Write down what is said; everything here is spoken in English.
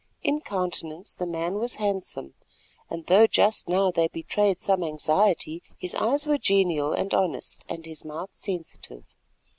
In countenance the man was handsome, and though just now they betrayed some anxiety, his eyes were genial and honest, and his mouth sensitive.